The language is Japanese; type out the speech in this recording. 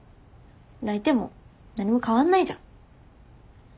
泣いても何も変わんないじゃん。